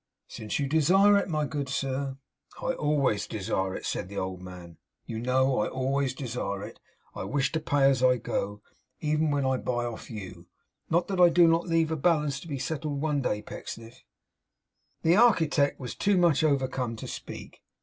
'Since you desire it, my good sir.' 'I always desire it,' said the old man. 'You know I always desire it. I wish to pay as I go, even when I buy of you. Not that I do not leave a balance to be settled one day, Pecksniff.' The architect was too much overcome to speak.